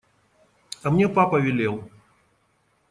А мне папа велел…